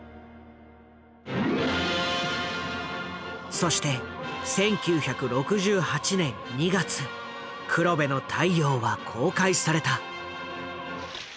そして１９６８年２月「黒部の太陽」は公開された。